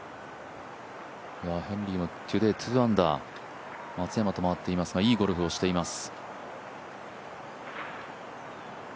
ヘンリーはトゥデイ、２アンダー松山と回っていますが、いいゴルフをしています。